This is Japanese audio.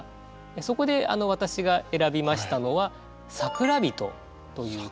そこで私が選びましたのは「桜人」という季語です。